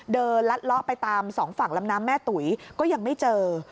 เดินลัดล่อไปตาม๒ฝั่งลำน้ำแม่ตุ๋ยก็ยังไม่เจอ